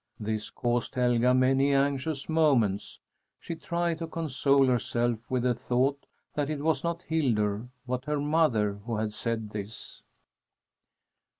This caused Helga many anxious moments. She tried to console herself with the thought that it was not Hildur, but her mother, who had said this.